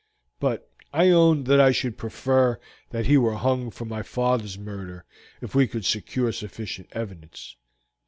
But I own that I should prefer that he were hung for my father's murder if we could secure sufficient evidence.